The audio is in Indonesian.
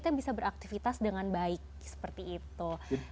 jadi kita bisa beraktifitas dengan baik seperti itu